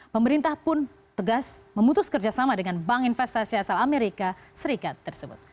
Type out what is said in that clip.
pemerintah pun tegas memutus kerjasama dengan bank investasi asal amerika serikat tersebut